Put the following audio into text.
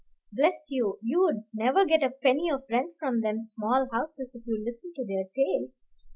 Bless you, you'd never get a penny of rent from them small houses if you listened to their tales.